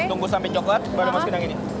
tunggu sampai coklat baru masukin lagi nih